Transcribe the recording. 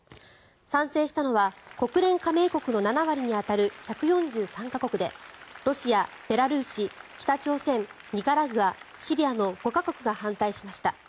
賛成したのは国連加盟国の７割に当たる１４３か国でロシア、ベラルーシ北朝鮮、ニカラグア、シリアの５か国が反対しました。